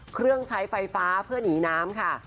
เครื่องใช้ไฟฟ้าเพื่อหนีน้ำค่ะ